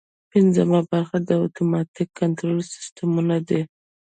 پنځمه برخه د اتوماتیک کنټرول سیسټمونه دي.